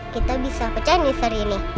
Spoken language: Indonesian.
kita bisa pecah hari ini